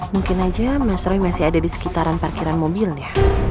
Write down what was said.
mungkin aja mas roy masih ada di sekitaran parkiran mobilnya